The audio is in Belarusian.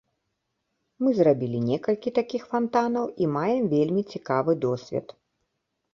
Мы зрабілі некалькі такіх фантанаў і маем вельмі цікавы досвед.